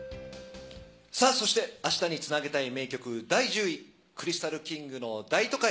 さあ、そして、明日につなげたい名曲、第１０位、クリスタルキングの大都会。